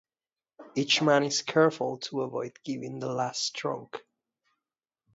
Each man is careful to avoid giving the last stroke.